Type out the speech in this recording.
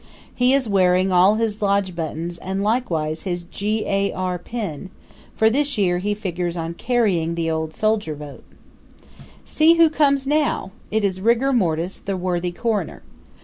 He is wearing all his lodge buttons and likewise his G. A. R. pin, for this year he figures on carrying the old soldier vote. See who comes now! It is Rigor Mortis, the worthy coroner.